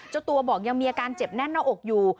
เจ้าตัวบอกยังมีอาการเจ็บแน่นหน้าอกอยู่